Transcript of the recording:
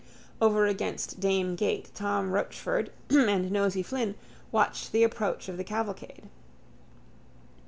Over against Dame gate Tom Rochford and Nosey Flynn watched the approach of the cavalcade.